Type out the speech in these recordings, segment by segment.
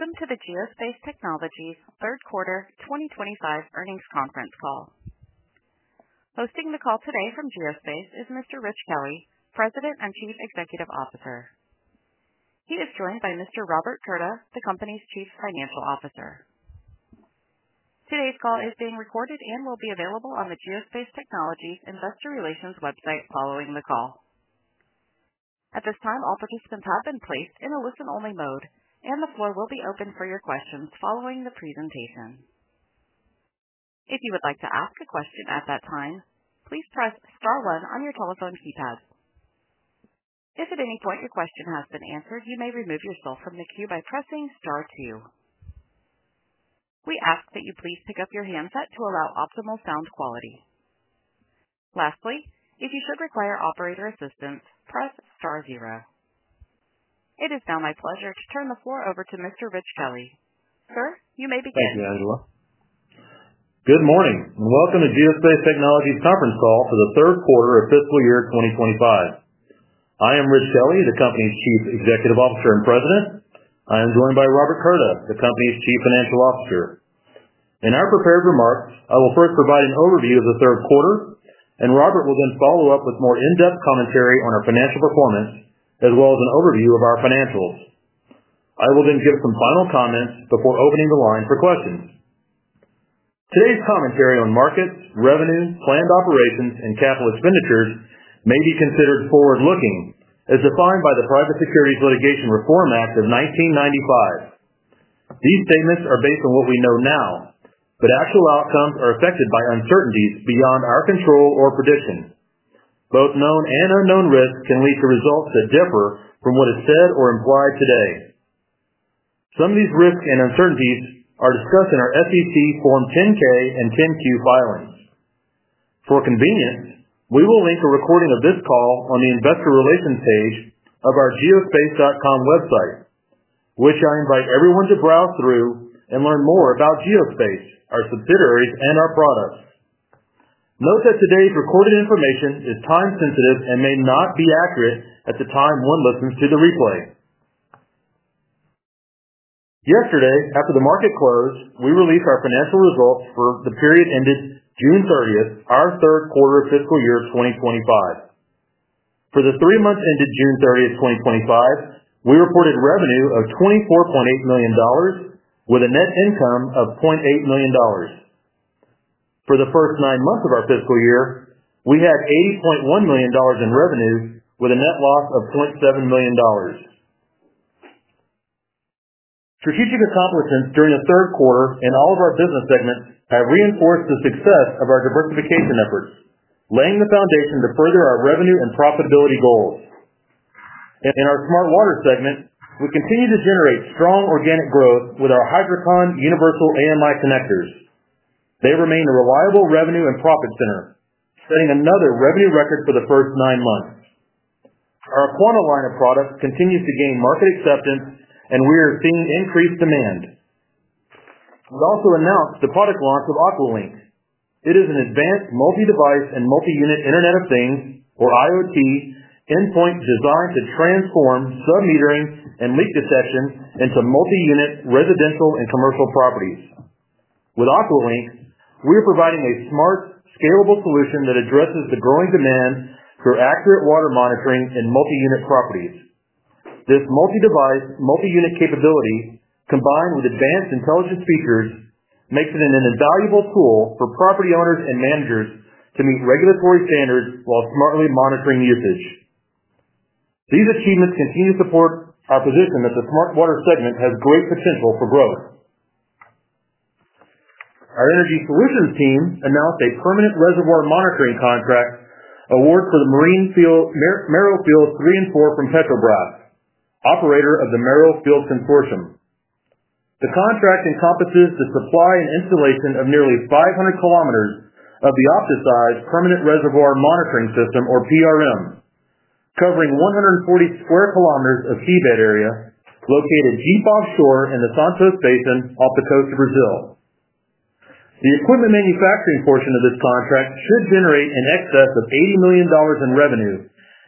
Welcome to the Geospace Technologies Third Quarter 2025 Earnings Conference Call. Hosting the call today from Geospace is Mr. Rich Kelley, President and Chief Executive Officer. He is joined by Mr. Robert Curda, the Company's Chief Financial Officer. Today's call is being recorded and will be available on the Geospace Technologies Investor Relations website following the call. At this time, all participants have been placed in a listen-only mode, and the floor will be open for your questions following the presentation. If you would like to ask a question at that time, please press star one on your telephone keypad. If at any point your question has been answered, you may remove yourself from the queue by pressing star two. We ask that you please pick up your handset to allow optimal sound quality. Lastly, if you should require operator assistance, press star zero. It is now my pleasure to turn the floor over to Mr. Rich Kelley. Sir, you may begin. Thank you, everyone. Good morning and welcome to the Geospace Technologies Conference call for the third quarter of fiscal year 2025. I am Rich Kelley, the Company's Chief Executive Officer and President. I am joined by Robert Curda, the Company's Chief Financial Officer. In our prepared remarks, I will first provide an overview of the third quarter, and Robert will then follow up with more in-depth commentary on our financial performance, as well as an overview of our financials. I will then give some final comments before opening the line for questions. Today's commentary on markets, revenues, planned operations, and capital expenditures may be considered forward-looking, as defined by the Private Securities Litigation Reform Act of 1995. These statements are based on what we know now, but actual outcomes are affected by uncertainties beyond our control or prediction. Both known and unknown risks can lead to results that differ from what is said or implied today. Some of these risks and uncertainties are discussed in our SEC Form 10-K and 10-Q filings. For convenience, we will link a recording of this call on the Investor Relations page of our geospace.com website, which I invite everyone to browse through and learn more about Geospace, our subsidiaries, and our products. Note that today's recorded information is time-sensitive and may not be accurate at the time one listens to the replay. Yesterday, after the market closed, we released our financial results for the period ended June 30, our third quarter of fiscal year 2025. For the three months ended June 30, 2025, we reported revenue of $24.28 million with a net income of $0.8 million. For the first nine months of our fiscal year, we had $80.1 million in revenues, with a net loss of $0.7 million. Strategic accomplishments during the third quarter in all of our business segments have reinforced the success of our diversification efforts, laying the foundation to further our revenue and profitability goals. In our Smart Water segment, we continue to generate strong organic growth with our HydroCon Universal AMI connectors. They remain a reliable revenue and profit center, setting another revenue record for the first nine months. Our Aquana line of products continues to gain market acceptance, and we are seeing increased demand. We also announced the product launch of AquaLink. It is an advanced multi-device and multi-unit Internet of Things, or IoT, endpoint designed to transform submetering and leak detection into multi-unit residential and commercial properties. With AquaLink, we are providing a smart, scalable solution that addresses the growing demand for accurate water monitoring in multi-unit properties. This multi-device, multi-unit capability, combined with advanced intelligent features, makes it an invaluable tool for property owners and managers to meet regulatory standards while smartly monitoring usage. These achievements continue to support our position that the Smart Water segment has great potential for growth. Our Energy Solutions team announced a permanent reservoir monitoring contract award for the Marine Field Mero Field 3 and 4 from Petrobras, operator of the Mero Field Consortium. The contract encompasses the supply and installation of nearly 500 km of the OptiSeis Permanent Reservoir Monitoring (PRM) System, or PRM, covering 140 sq km of seabed area located deep offshore in the Santos Basin off the coast of Brazil. The equipment manufacturing portion of this contract should generate in excess of $80 million in revenue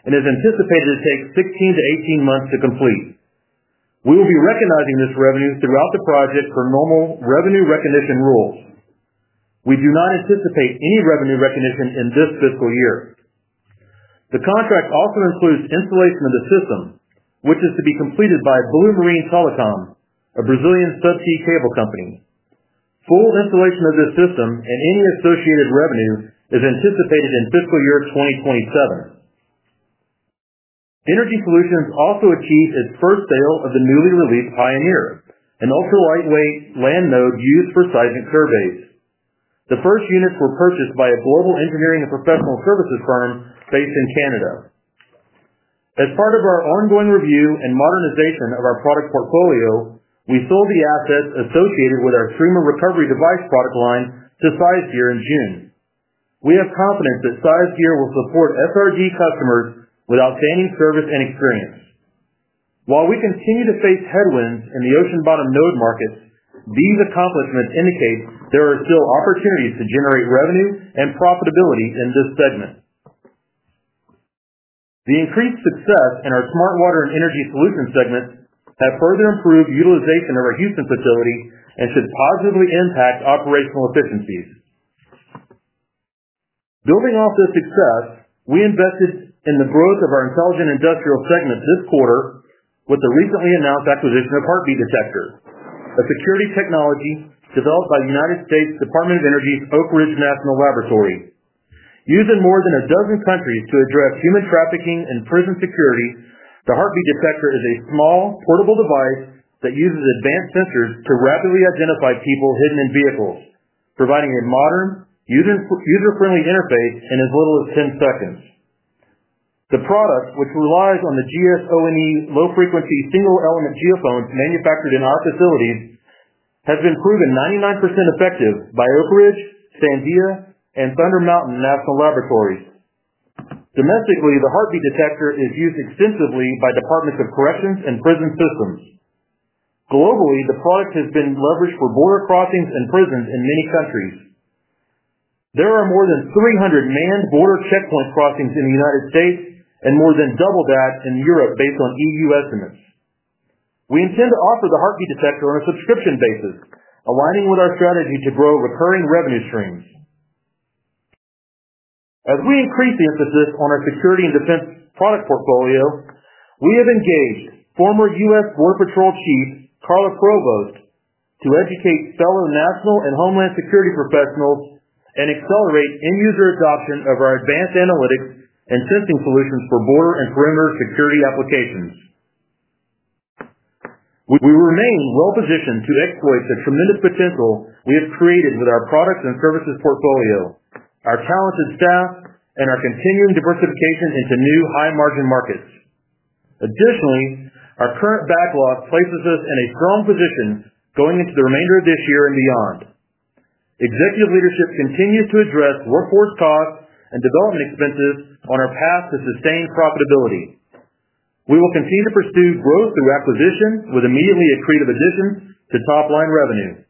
and is anticipated to take 16 to 18 months to complete. We will be recognizing this revenue throughout the project per normal revenue recognition rules. We do not anticipate any revenue recognition in this fiscal year. The contract also includes installation of the system, which is to be completed by Blue Marine Telecom, a Brazilian subsea cable company. Full installation of this system and any associated revenue is anticipated in fiscal year 2027. Energy Solutions also achieved its first sale of the newly released Pioneer, an ultra-lightweight land node used for seismic surveys. The first units were purchased by a global engineering and professional services firm based in Canada. As part of our ongoing review and modernization of our product portfolio, we sold the assets associated with our Trima Recovery Device product line to Size Gear in June. We have confidence that Size Gear will support SRG customers with outstanding service and experience. While we continue to face headwinds in the ocean bottom node markets, these accomplishments indicate there are still opportunities to generate revenue and profitability in this segment. The increased success in our Smart Water and Energy Solutions segment has further improved utilization of our Houston facility and should positively impact operational efficiencies. Building off this success, we invested in the growth of our intelligent industrial segment this quarter with the recently announced acquisition of Heartbeat Detector, a security technology developed by the U.S. Department of Energy's Oak Ridge National Laboratory. Used in more than a dozen countries to address human trafficking and prison security, the Heartbeat Detector is a small, portable device that uses advanced sensors to rapidly identify people hidden in vehicles, providing a modern, user-friendly interface in as little as 10 seconds. The product, which relies on the GSONE low-frequency single-element geophones manufactured in our facilities, has been proven 99% effective by Oak Ridge, Sandia, and Thunder Mountain National Laboratories. Domestically, the Heartbeat Detector is used extensively by departments of corrections and prison systems. Globally, the product has been leveraged for border crossings and prisons in many countries. There are more than 300 manned border checkpoint crossings in the U.S. and more than double that in Europe, based on EU estimates. We intend to offer the Heartbeat Detector on a subscription basis, aligning with our strategy to grow recurring revenue streams. As we increase the emphasis on our security and defense product portfolio, we have engaged former U.S. Border Patrol Chief Carla Provost to educate fellow national and homeland security professionals and accelerate end-user adoption of our advanced analytics and testing solutions for border and perimeter security applications. We remain well-positioned to exploit the tremendous potential we have created with our products and services portfolio, our talented staff, and our continuing diversification into new high-margin markets. Additionally, our current backlog places us in a strong position going into the remainder of this year and beyond. Executive leadership continues to address workforce costs and development expenses on our path to sustained profitability. We will continue to pursue growth through acquisition, with immediately accretive addition to top-line revenues.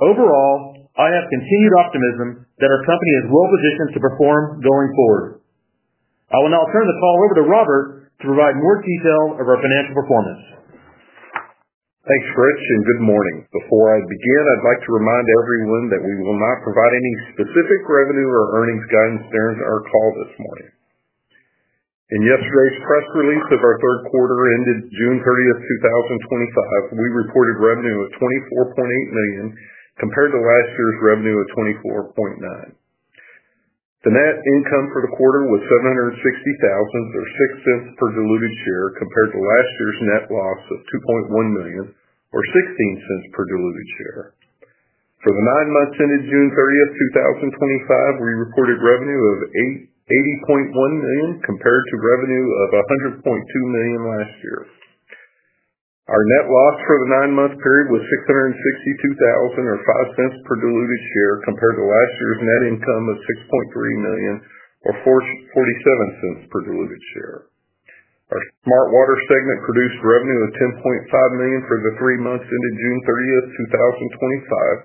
Overall, I have continued optimism that our company is well-positioned to perform going forward. I will now turn the call over to Robert to provide more details of our financial performance. Thanks, Rich, and good morning. Before I begin, I'd like to remind everyone that we will not provide any specific revenue or earnings guidance during our call this morning. In yesterday's press release of our third quarter ended June 30, 2025, we reported revenue of $24.8 million compared to last year's revenue of $24.9 million. The net income for the quarter was $760,000 or $0.06 per diluted share compared to last year's net loss of $2.1 million or $0.16 per diluted share. For the nine months ended June 30, 2025, we reported revenue of $80.1 million compared to revenue of $100.2 million last year. Our net loss for the nine-month period was $662,000 or $0.05 per diluted share compared to last year's net income of $6.3 million or $0.47 per diluted share. Our Smart Water segment produced revenue of $10.5 million for the three months ended June 30, 2025.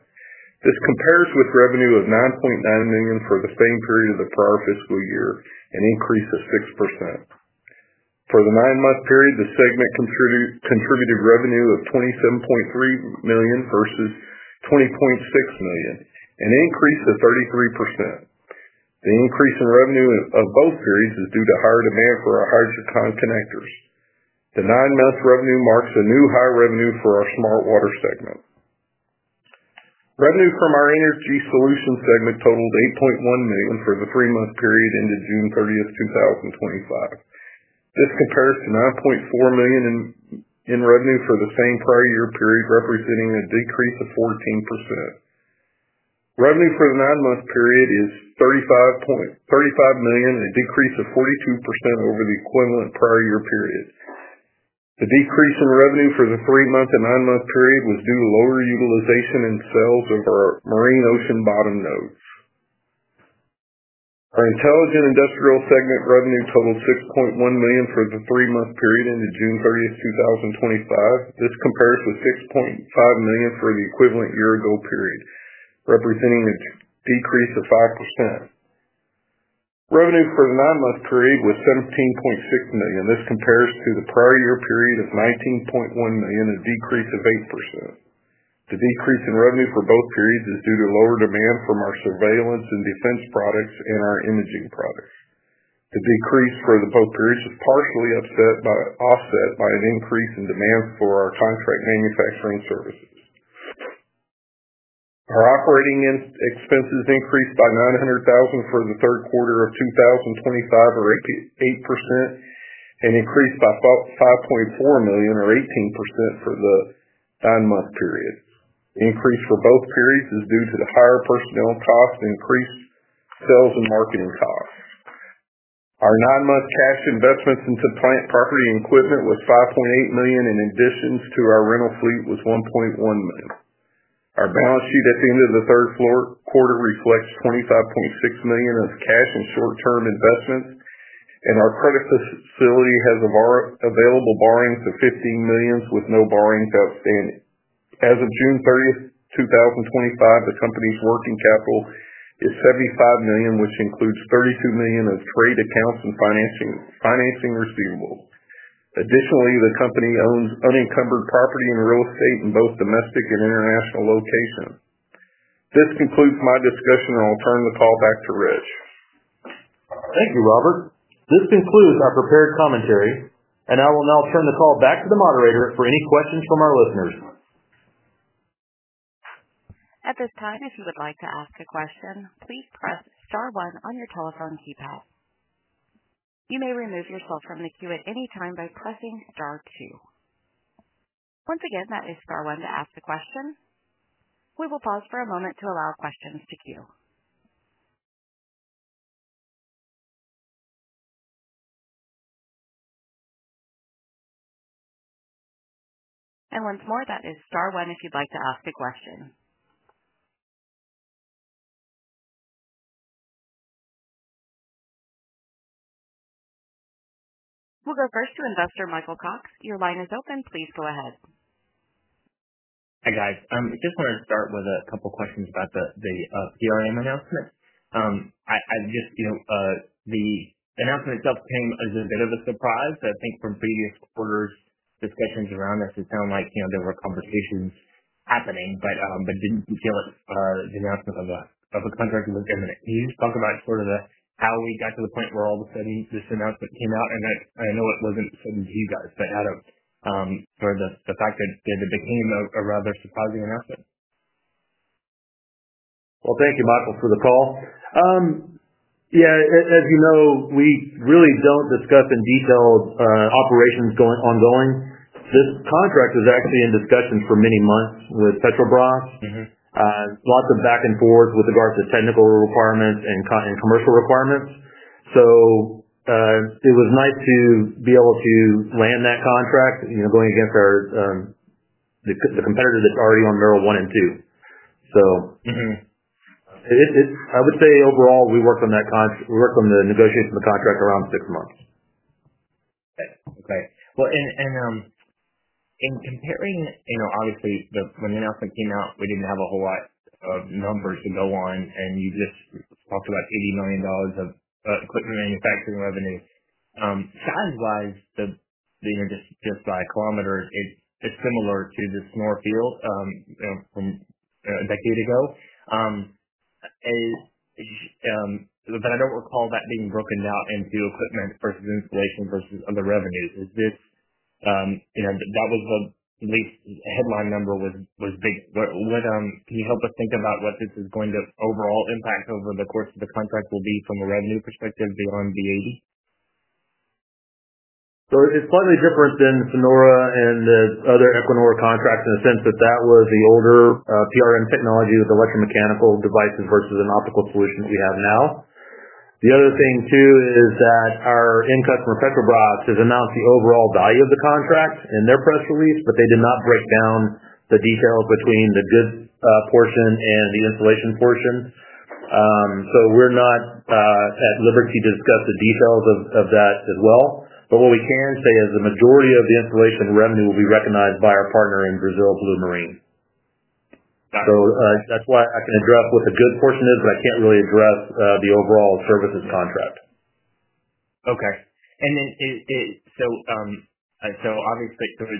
This compares with revenue of $9.9 million for the same period of the prior fiscal year, an increase of 6%. For the nine-month period, the segment contributed revenue of $27.3 million versus $20.6 million, an increase of 33%. The increase in revenue of both periods is due to higher demand for our HydroCon Universal AMI connectors. The nine-month revenue marks a new high revenue for our Smart Water segment. Revenue from our Energy Solutions segment totaled $8.1 million for the three-month period ended June 30, 2025. This compares to $9.4 million in revenue for the same prior year period, representing a decrease of 14%. Revenue for the nine-month period is $35.3 million, a decrease of 42% over the equivalent prior year period. The decrease in revenue for the three-month and nine-month period was due to lower utilization and sales of our marine ocean bottom nodes. Our Intelligent Industrial segment revenue totaled $6.1 million for the three-month period ended June 30, 2025. This compares with $6.5 million for the equivalent year-ago period, representing a decrease of 5%. Revenue for the nine-month period was $17.6 million. This compares to the prior year period of $19.1 million, a decrease of 8%. The decrease in revenue for both periods is due to lower demand from our surveillance and defense products and our imaging products. The decrease for both periods is partially offset by an increase in demand for our contract manufacturing services. Our operating expenses increased by $900,000 for the third quarter of 2025, or 8%, and increased by $5.4 million, or 18%, for the nine-month period. The increase for both periods is due to the higher personnel cost and increased sales and marketing costs. Our nine-month cash investments in supplied property and equipment were $5.8 million, and in addition to our rental fleet, was $1.1 million. Our balance sheet at the end of the third quarter reflects $25.6 million of cash and short-term investments, and our credit facility has available borrowings of $15 million, with no borrowings outstanding. As of June 30, 2025, the company's working capital is $75 million, which includes $32 million of trade accounts and financing receivable. Additionally, the company owns unencumbered property and real estate in both domestic and international locations. This concludes my discussion, and I'll turn the call back to Rich. Thank you, Robert. This concludes our prepared commentary, and I will now turn the call back to the moderator for any questions from our listeners. At this time, if you would like to ask a question, please press star one on your telephone keypad. You may remove yourself from the queue at any time by pressing star two. Once again, that is star one to ask a question. We will pause for a moment to allow questions to queue. Once more, that is star one if you'd like to ask a question. We'll go first to Investor Michael Cox. Your line is open. Please go ahead. Hi, guys. I just wanted to start with a couple of questions about the PRM announcement. The announcement itself came as a bit of a surprise. I think from previous quarters' discussions around this, it sounded like there were conversations happening, but didn't deal with the announcement of a contract with them. Can you just talk about how we got to the point where all of a sudden this announcement came out? I know it wasn't sudden to you guys, but how to, for the fact that it became a rather surprising announcement. Thank you, Michael, for the call. As you know, we really don't discuss in detail operations going ongoing. This contract was actually in discussion for many months with Petrobras. Mm-hmm. Lots of back and forth with regards to technical requirements and commercial requirements. It was nice to be able to land that contract, going against our competitor that's already on Mero One and Two. Mm-hmm. I would say overall, we worked on that contract. We worked on the negotiation of the contract around six months. Okay. In comparing, you know, obviously, when the announcement came out, we didn't have a whole lot of numbers to go on, and you just talked about $80 million of equipment manufacturing revenue. Size-wise, you know, just by a kilometer, it's similar to the Snorr Field from a decade ago. I don't recall that being broken down into equipment versus installation versus other revenues. Is this, you know, that was the least headline number was big. Can you help us think about what this is going to overall impact over the course of the contract will be from a revenue perspective beyond the $80 million? It's slightly different than Sonora and the other Equinor contracts in the sense that that was the older PRM technology with electromechanical devices versus an optical solution that we have now. The other thing, too, is that our end customer, Petrobras, has announced the overall value of the contract in their press release, but they did not break down the details between the goods portion and the installation portion. We're not at liberty to discuss the details of that as well. What we can say is the majority of the installation revenue will be recognized by our partner in Brazil, Blue Marine. Gotcha. I can address what the goods portion is, but I can't really address the overall services contract. Okay. Obviously, it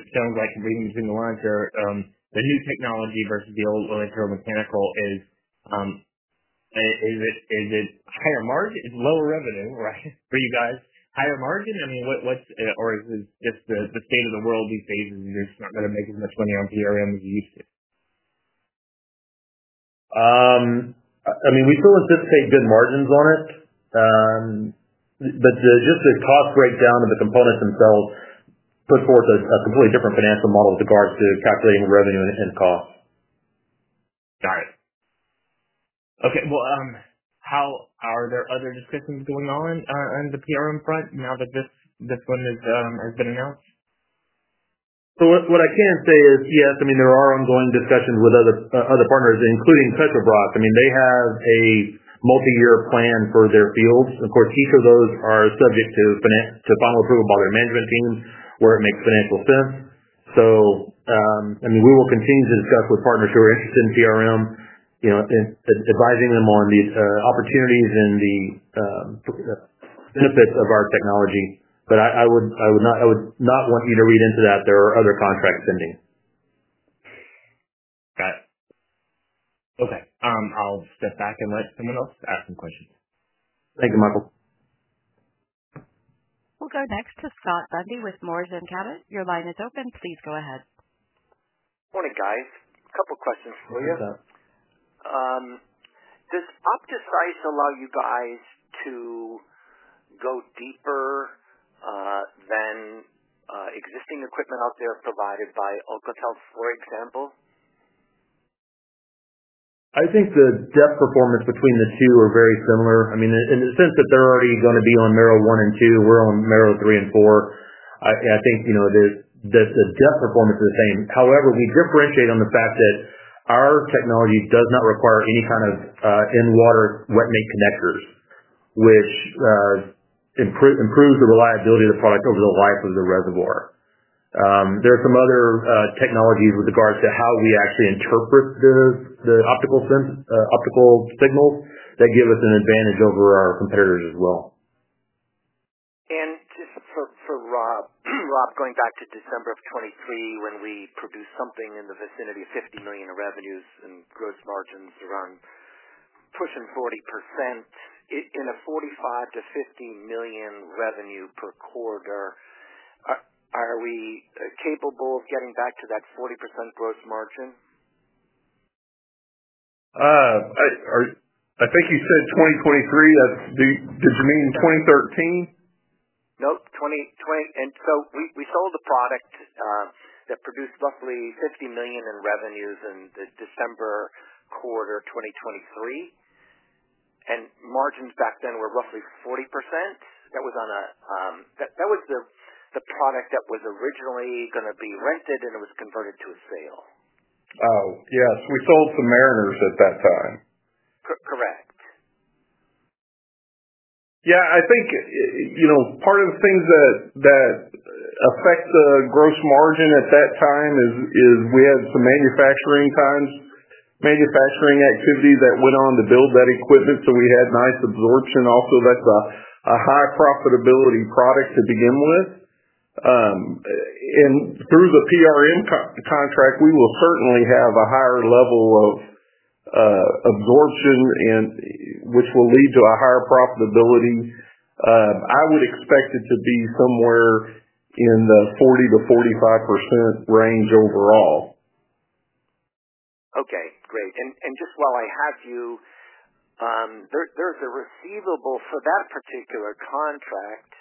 sounds like reading between the lines there, the new technology versus the old electromechanical, is it higher margin? It's lower revenue, right, for you guys. Higher margin? I mean, what's, or is this just the state of the world these days? Is it just not going to make as much money on PRM as it used to? I mean, we still anticipate good margins on it, but just the cost breakdown of the components themselves puts forth a completely different financial model with regards to calculating revenue and cost. Got it. Okay. Are there other discussions going on, on the PRM front now that this one has been announced? What I can say is, yes, there are ongoing discussions with other partners, including Petrobras. They have a multi-year plan for their fields, and of course, each of those are subject to final approval by their management team where it makes financial sense. We will continue to discuss with partners who are interested in PRM, advising them on these opportunities and the benefits of our technology. I would not want you to read into that. There are other contracts pending. Got it. Okay, I'll step back and let someone else ask some questions. Thank you, Michael. We'll go next to Scott Bundy with Moors & Cabot. Your line is open. Please go ahead. Morning, guys. A couple of questions for you. Go ahead. Does OptiSeis allow you guys to go deeper than existing equipment out there provided by Oak Ridge, for example? I think the depth performance between the two are very similar. I mean, in the sense that they're already going to be on Mero One and Two, we're on Mero Three and Four. I think, you know, the depth performance is the same. However, we differentiate on the fact that our technology does not require any kind of in-water retinate connectors, which improves the reliability of the product over the life of the reservoir. There are some other technologies with regards to how we actually interpret the optical sense, optical signals that give us an advantage over our competitors as well. For Rob, going back to December of 2023, when we produced something in the vicinity of $50 million in revenues and gross margins around pushing 40%. In a $45 to $50 million revenue per quarter, are we capable of getting back to that 40% gross margin? I think you said 2023. Does it mean 2013? Nope. 2020. We sold the product that produced roughly $50 million in revenues in the December quarter of 2023, and margins back then were roughly 40%. That was the product that was originally going to be rented, and it was converted to a sale. Oh, yes. We sold some Mariners at that time. Correct. I think part of the things that affect the gross margin at that time is we had some manufacturing times, manufacturing activity that went on to build that equipment, so we had nice absorption. Also, that's a high-profitability product to begin with. Through the PRM contract, we will certainly have a higher level of absorption, which will lead to a higher profitability. I would expect it to be somewhere in the 40 to 45% range overall. Okay. Great. Just while I have you, there's a receivable for that particular contract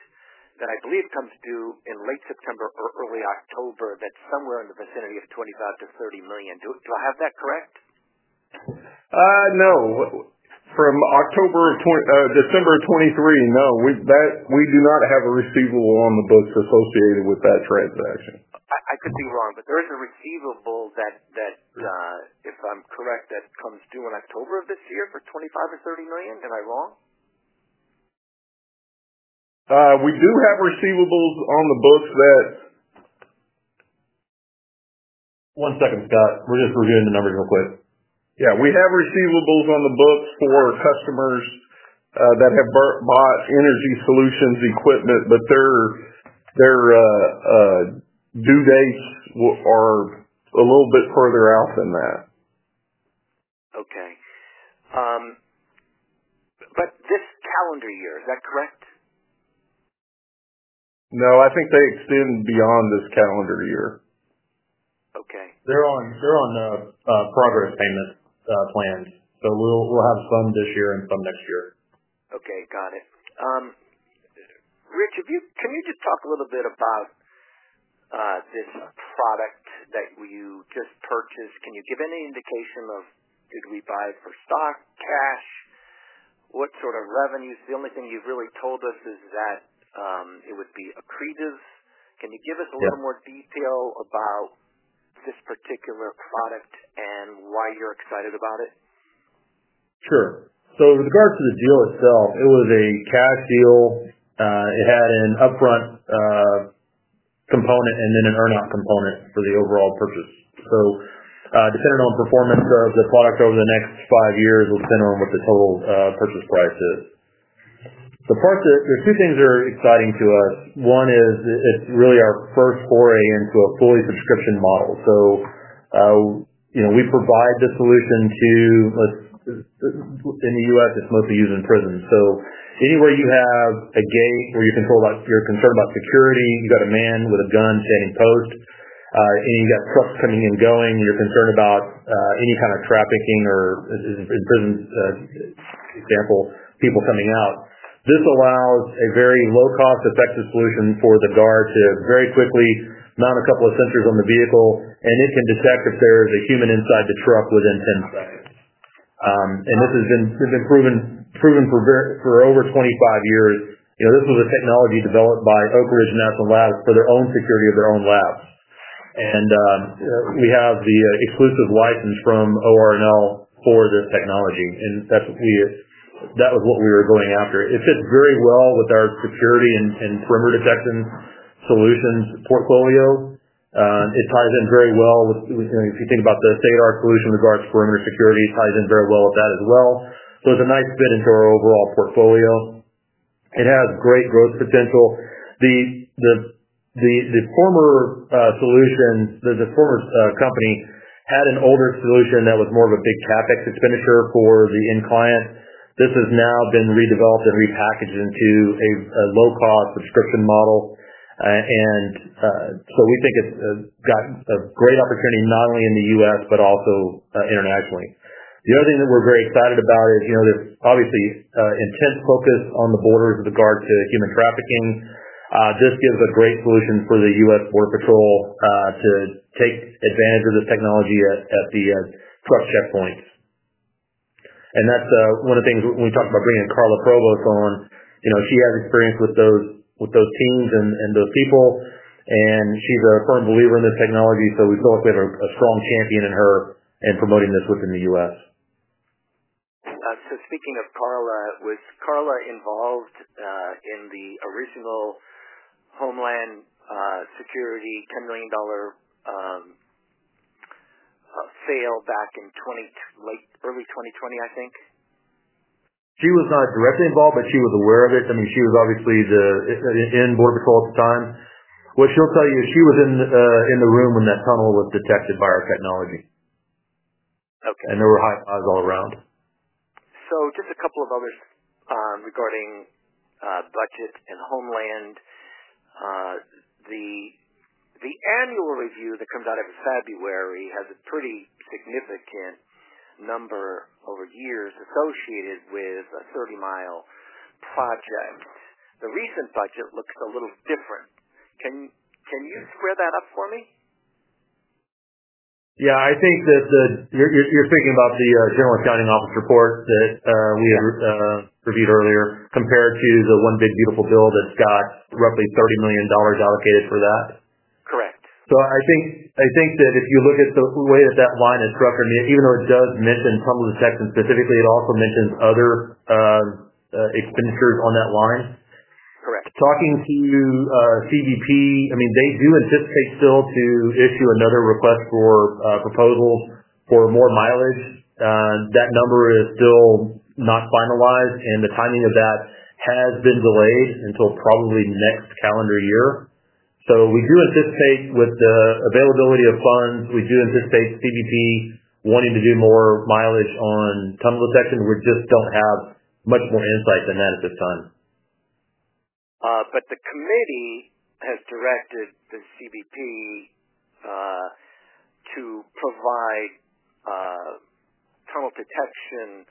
that I believe comes due in late September or early October that's somewhere in the vicinity of $25 to $30 million. Do I have that correct? No. From October to December of 2023, no. We do not have a receivable on the books associated with that transaction. I could be wrong, but there is a receivable that, if I'm correct, that comes due in October of this year for $25 million or $30 million. Am I wrong? We do have receivables on the books. One second, Scott. We're just reviewing the numbers real quick. We have receivables on the books for customers that have bought Energy Solutions equipment, but their due dates are a little bit further out than that. Okay, but this calendar year, is that correct? No, I think they extend beyond this calendar year. Okay. They're on progress payments, plans. We'll have some this year and some next year. Okay. Got it. Rich, if you can, can you just talk a little bit about this product that you just purchased? Can you give any indication of did we buy it for stock, cash, what sort of revenues? The only thing you've really told us is that it would be accretive. Can you give us a little more detail about this particular product and why you're excited about it? Sure. With regards to the deal itself, it was a cash deal. It had an upfront component and then an earnout component for the overall purchase. Depending on the performance of the product over the next five years, we'll center on what the total purchase price is. There are two things that are exciting to us. One is it's really our first foray into a fully subscription model. We provide the solutions to, let's say in the U.S., it's mostly used in prisons. Anywhere you have a gate where you're concerned about security, you've got a man with a gun standing post, and you've got crooks coming and going, you're concerned about any kind of trafficking or, in prisons, for example, people coming out. This allows a very low-cost, effective solution for the guard to very quickly mount a couple of sensors on the vehicle, and it can detect if there's a human inside the truck within 10 seconds. This has been proven for over 25 years. This was a technology developed by Oak Ridge National Laboratory for their own security of their own labs. We have the exclusive license from Oak Ridge National Laboratory for this technology. That was what we were going after. It fits very well with our security and perimeter detection solutions portfolio. It ties in very well with, if you think about the SADAR solution with regards to perimeter security, it ties in very well with that as well. It's a nice fit into our overall portfolio. It has great growth potential. The former solutions, the former company had an older solution that was more of a big CapEx expenditure for the end client. This has now been redeveloped and repackaged into a low-cost subscription model. We think it's got a great opportunity not only in the U.S., but also internationally. The other thing that we're very excited about is, there's obviously intense focus on the borders with regard to human trafficking. This gives a great solution for the U.S. Border Patrol to take advantage of this technology at the truck checkpoints. When we talked about bringing Carla Provost on, she has experience with those teams and those people, and she's a firm believer in the technology, so we feel like we have a strong champion in her in promoting this within the U.S. Speaking of Carla, was Carla involved in the original Homeland Security $10 million sale back in early 2020, I think? She was not directly involved, but she was aware of it. I mean, she was obviously in Border Patrol at the time. What she'll tell you is she was in the room when that tunnel was detected by our technology. Okay. There were high fives all around. Just a couple of others regarding budget and Homeland. The annual review that comes out in February has a pretty significant number over years associated with a 30-mile project. The recent budget looks a little different. Can you square that up for me? Yeah. I think that you're thinking about the General Accounting Office report that we had reviewed earlier compared to the one big beautiful bill that's got roughly $30 million allocated for that. Correct. I think that if you look at the way that line is structured, even though it does mention tunnel detection specifically, it also mentions other expenditures on that line. Talking to our CVP, they do anticipate still to issue another request for proposal for more mileage. That number is still not finalized, and the timing of that has been delayed until probably next calendar year. We do anticipate with the availability of funds, we do anticipate CVP wanting to do more mileage on tunnel detection. We just don't have much more insight than that at this time. The committee has directed the CVP to provide tunnel detection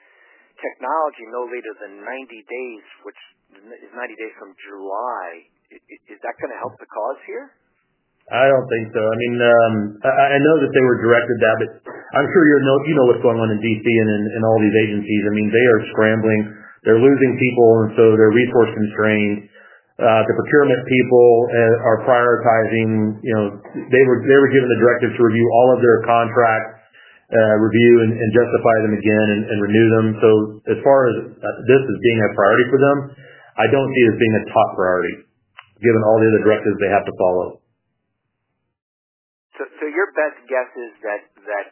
technology no later than 90 days, which is 90 days from July. Is that going to help the cause here? I don't think so. I mean, I know that they were directed that, but I'm sure you know what's going on in D.C. and in all these agencies. I mean, they are scrambling. They're losing people, and so they're resource constrained. The procurement people are prioritizing. You know, they were given the directives to review all of their contracts, review and justify them again and renew them. As far as this as being a priority for them, I don't see it as being a top priority given all the other directives they have to follow. Is your best guess that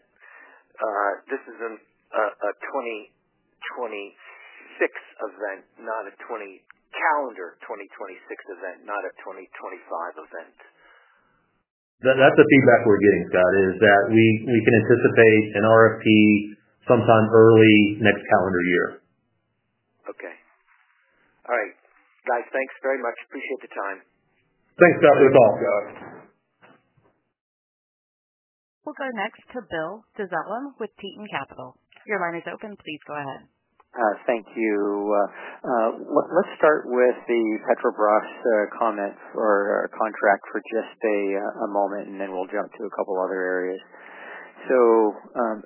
this is a 2026 event, not a 2025 event? That's the feedback we're getting, Scott, is that we can anticipate an RFP sometime early next calendar year. Okay. All right, guys. Thanks very much. Appreciate the time. Thanks, Scott. Good call. Bye. We'll go next to Bill Dezellem with Tieton Capital. Your line is open. Please go ahead. Thank you. Let's start with the Petrobras contract for just a moment, and then we'll jump to a couple of other areas.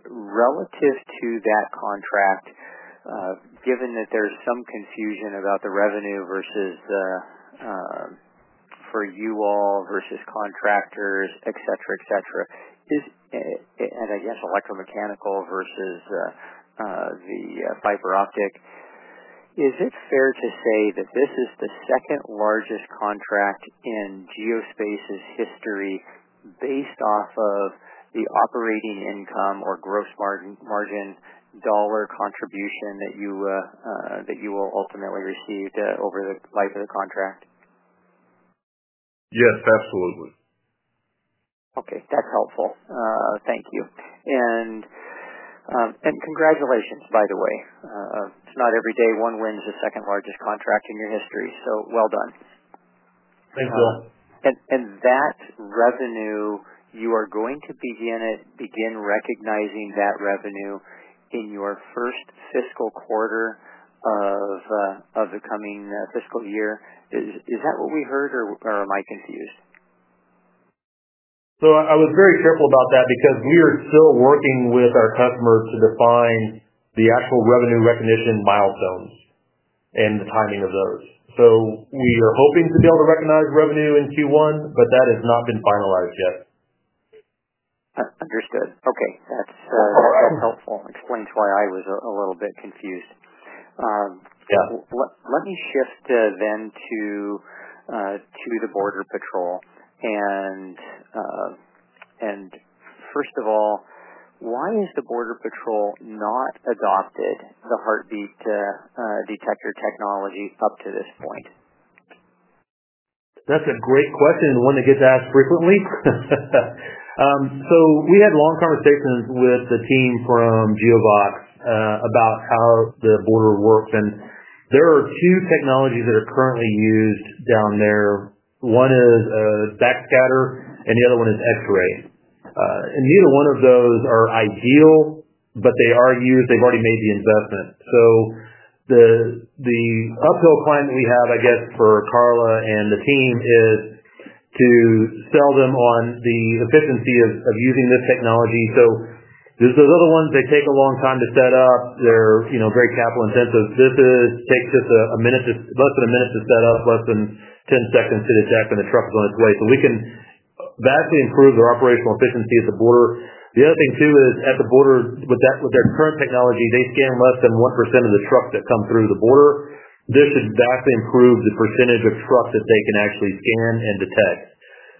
Relative to that contract, given that there's some confusion about the revenue versus, for you all versus contractors, etc., is, and I guess electromechanical versus the fiber optic, is it fair to say that this is the second largest contract in Geospace's history based off of the operating income or gross margin dollar contribution that you will ultimately receive over the life of the contract? Yes, absolutely. Okay. That's helpful, thank you, and congratulations, by the way. It's not every day one wins the second largest contract in your history. So well done. Thanks, Bill. That revenue, you are going to begin recognizing that revenue in your first fiscal quarter of the coming fiscal year. Is that what we heard, or am I confused? I was very careful about that because we are still working with our customer to define the actual revenue recognition milestones and the timing of those. We are hoping to be able to recognize revenue in Q1, but that has not been finalized yet. Understood. Okay, that's helpful. Explains why I was a little bit confused. Yeah. Let me shift to the Border Patrol. First of all, why has the Border Patrol not adopted the Heartbeat Detector technology up to this point? That's a great question and one that gets asked frequently. We had long conversations with the team from Geospace Technologies about how the border works. There are two technologies that are currently used down there. One is ThatScatter, and the other one is X-ray. Neither one of those are ideal, but they are used. They've already made the investment. The uphill climb that we have, I guess, for Carla Provost and the team is to sell them on the efficiency of using the technology. Those other ones take a long time to set up. They're very capital intensive. This takes just a minute to less than a minute to set up, less than 10 seconds to detect, and the truck is on its way. We can vastly improve their operational efficiency at the border. The other thing, too, is at the border, with their current technology, they scan less than 1% of the trucks that come through the border. This has vastly improved the percentage of trucks that they can actually scan and detect.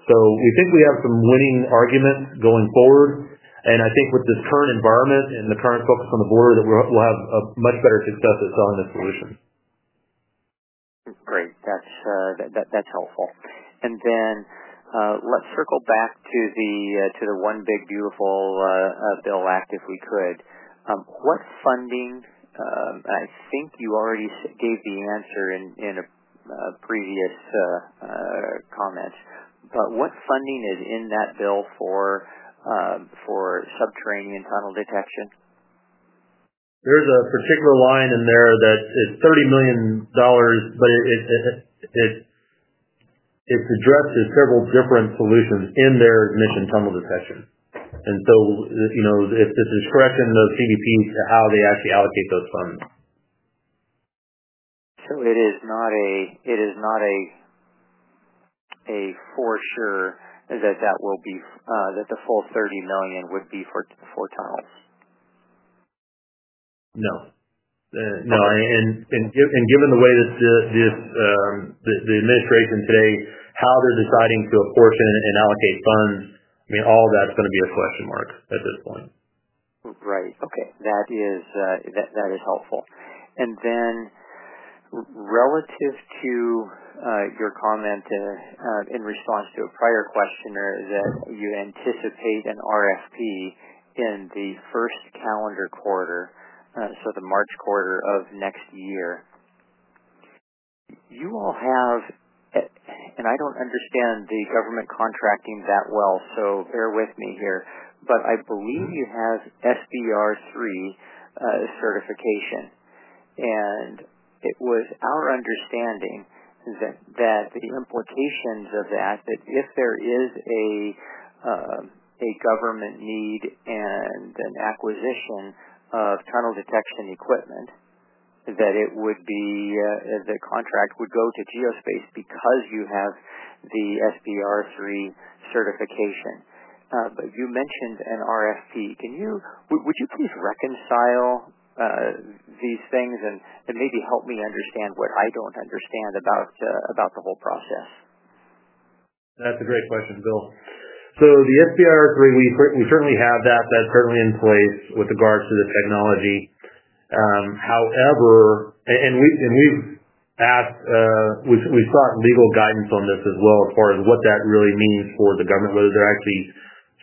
We think we have some winning argument going forward. I think with this current environment and the current focus on the border, we'll have a much better success at selling the solution. Great. That's helpful. Let's circle back to the one big beautiful bill act if we could. What funding, and I think you already gave the answer in a previous comment, but what funding is in that bill for subterranean tunnel detection? There's a particular line in there that is $30 million, but it addresses several different solutions in their mission tunnel detection. If this is correct, I don't know if CVP to how they actually allocate those funds. It is not a for sure that the full $30 million would be for tunnels? No. And given the way that the administration today, how they're deciding to apportion and allocate funds, I mean, all of that's going to be a question mark at this point. Right. Okay. That is helpful. Relative to your comment in response to a prior questioner that you anticipate an RFP in the first calendar quarter, so the March quarter of next year. You all have, and I don't understand the government contracting that well, so bear with me here, but I believe you have SDR3 certification. It was our understanding that the implications of that, that if there is a government need and an acquisition of tunnel detection equipment, the contract would go to Geospace because you have the SDR3 certification. You mentioned an RFP. Would you please reconcile these things and maybe help me understand what I don't understand about the whole process? That's a great question, Bill. The SDR3, we certainly have that currently in place with regards to the technology. However, we've asked, we sought legal guidance on this as well as far as what that really means for the government, whether they're actually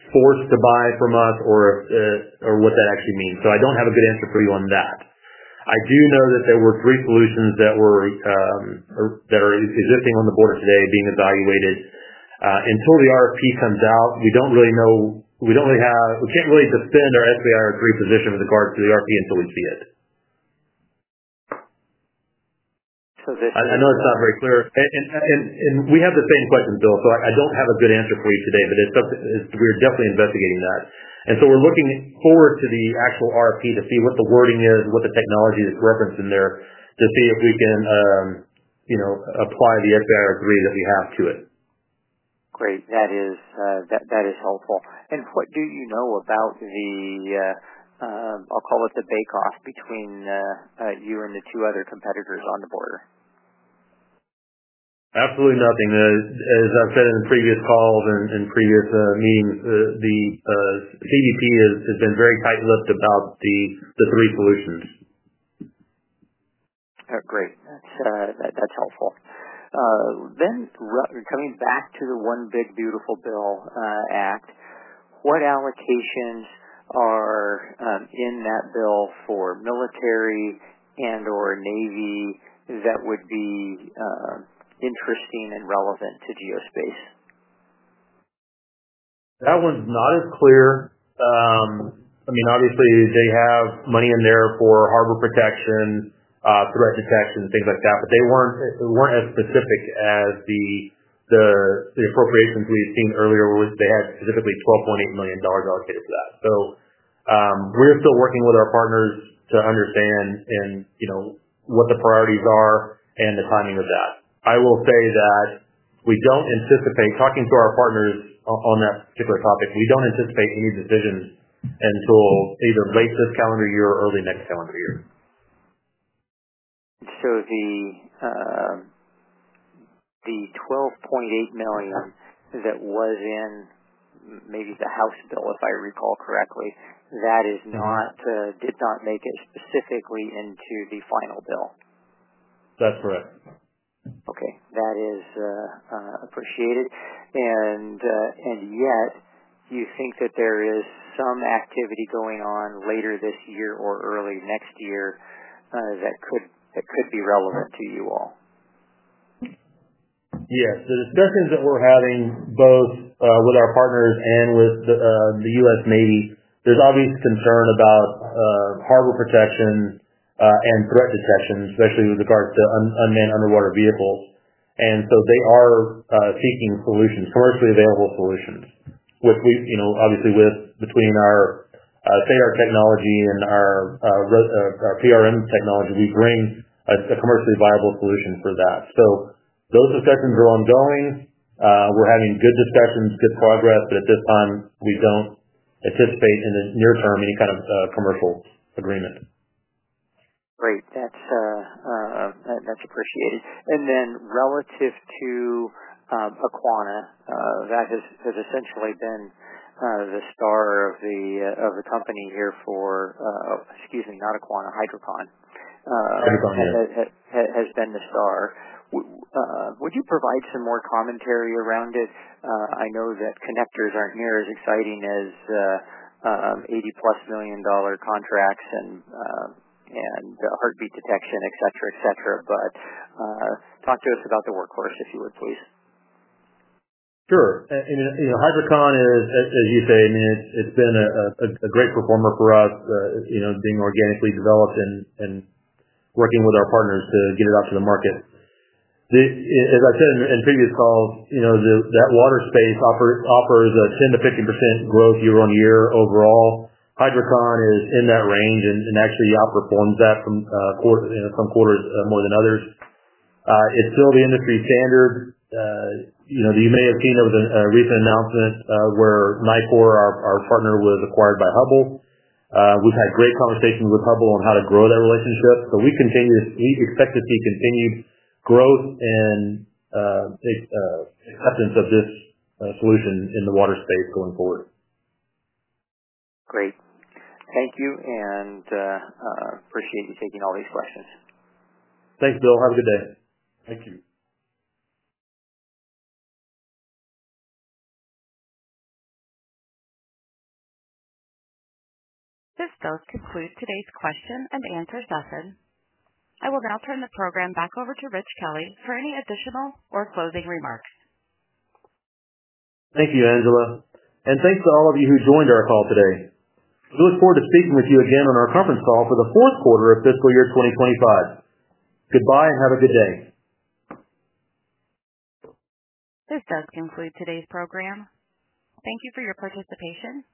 forced to buy from us or what that actually means. I don't have a good answer for you on that. I do know that there were three solutions that are existing on the border today being evaluated. Until the RFP comes out, we don't really know. We don't really have, we can't really defend our SDR3 position with regards to the RFP until we see it. So that. I know it's not very clear. We have the same question, Bill. I don't have a good answer for you today, but it's something we're definitely investigating. We're looking forward to the actual RFP to see what the wording there is and what the technology is referenced in there to see if we can apply the SDR3 that we have to it. Great. That is helpful. What do you know about the, I'll call it the bake-off between you and the two other competitors on the border? Absolutely nothing. As I've said in previous calls and previous meetings, the CVP has been very tight-lipped about the three solutions. Great. That's helpful. Coming back to the one big beautiful bill, what allocations are in that bill for military and/or navy that would be interesting and relevant to Geospace? That one's not as clear. I mean, obviously, they have money in there for harbor protection, threat detection, and things like that, but they weren't as specific as the appropriations we've seen earlier, where they had specifically $12.8 million allocated for that. We're still working with our partners to understand and, you know, what the priorities are and the timing of that. I will say that we don't anticipate talking to our partners on that particular topic. We don't anticipate any decisions until either late this calendar year or early next calendar year. The $12.8 million that was in maybe the House bill, if I recall correctly, did not make it specifically into the final bill. That's correct. Okay. That is appreciated. Do you think that there is some activity going on later this year or early next year that could be relevant to you all? Yes. The discussions that we're having both with our partners and with the U.S. Navy, there's obvious concern about harbor protection and threat detection, especially with regards to unmanned underwater vehicles. They are seeking solutions, commercially available solutions, which we, you know, obviously, with between our SADAR technology and our PRM technology, we bring a commercially viable solution for that. Those discussions are ongoing. We're having good discussions, good progress, but at this time, we don't anticipate in the near term any kind of commercial agreement. Great, that's appreciated. Relative to Aquana, that has essentially been the star of the company here for, excuse me, not Aquana, HydroCon. HydroCon, yeah. Has been the star. Would you provide some more commentary around it? I know that connectors aren't near as exciting as the $80 million-plus contracts and the Heartbeat Detector, etc., but talk to us about the workhorse, if you would, please. Sure. HydroCon is, as you say, I mean, it's been a great performer for us, being organically developed and working with our partners to get it out to the market. As I've said in previous calls, that water space offers a 10% to 15% growth year-on-year overall. HydroCon is in that range and actually outperforms that from some quarters, more than others. It's still the industry standard. You may have seen there was a recent announcement, where Nitecore, our partner, was acquired by Hubble. We've had great conversations with Hubble on how to grow that relationship. We continue to expect to see continued growth and acceptance of this solution in the water space going forward. Great. Thank you. I appreciate you taking all these questions. Thanks, Bill. Have a good day. Thank you. This does conclude today's question and answer session. I will now turn the program back over to Rich Kelley for any additional or closing remarks. Thank you, Angela. Thank you to all of you who joined our call today. We look forward to speaking with you again on our conference call for the fourth quarter of fiscal year 2025. Goodbye and have a good day. This does conclude today's program. Thank you for your participation.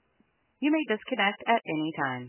You may disconnect at any time.